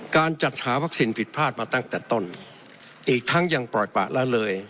การจัดหาวัคซีนผิดพลาดมาตั้งแต่ต้นอีกทั้งยังปล่อยปะละเลย